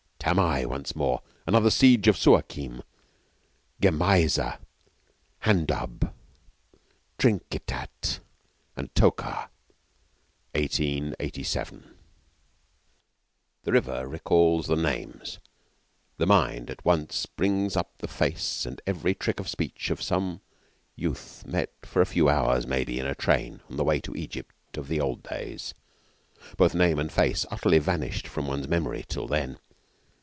Tamai, once more; another siege of Suakim: Gemaiza; Handub; Trinkitat, and Tokar 1887.' The river recalls the names; the mind at once brings up the face and every trick of speech of some youth met for a few hours, maybe, in a train on the way to Egypt of the old days. Both name and face had utterly vanished from one's memory till then.